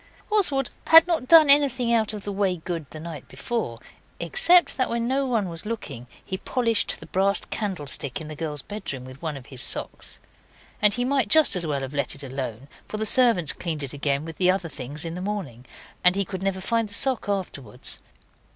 Oswald had not done anything out of the way good the night before, except that when no one was looking he polished the brass candlestick in the girls' bedroom with one of his socks. And he might just as well have let it alone, for the servants cleaned it again with the other things in the morning, and he could never find the sock afterwards.